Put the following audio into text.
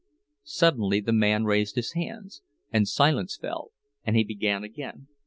Suddenly the man raised his hands, and silence fell, and he began again.